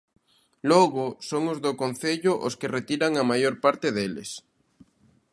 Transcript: Logo, son os do concello os que retiran a maior parte deles.